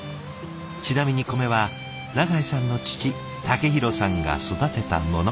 ちなみに米は永井さんの父武弘さんが育てたもの。